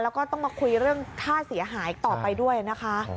แล้วก็ต้องมาคุยเรื่องค่าเสียหายต่อไปด้วยนะคะ